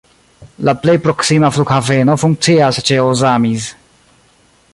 La plej proksima flughaveno funkcias ĉe Ozamiz.